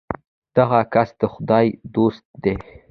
دغه کس د خدای دوست دی.